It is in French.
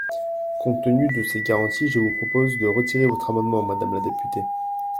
Compte tenu de ces garanties, je vous propose de retirer votre amendement, madame la députée.